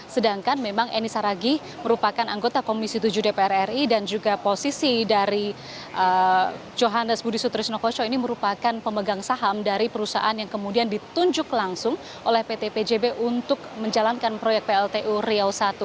sedangkan memang eni saragih merupakan anggota komisi tujuh dpr ri dan juga posisi dari johannes budi sutrisno koco ini merupakan pemegang saham dari perusahaan yang kemudian ditunjuk langsung oleh pt pjb untuk menjalankan proyek pltu riau i